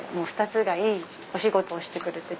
２つがいいお仕事をしてくれて。